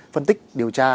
phân tích điều tra